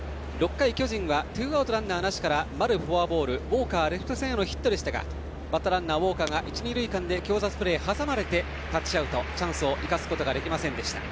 ６回、巨人はツーアウトランナーなしから丸がフォアボールウォーカーはレフト線へのヒットでしたがウォーカーが一、二塁で挟殺プレーでタッチアウトでチャンスを生かすことができませんでした。